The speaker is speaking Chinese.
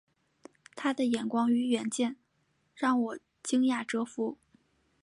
他的眼光与远见让我惊讶折服